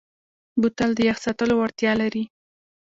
بوتل د یخ ساتلو وړتیا لري.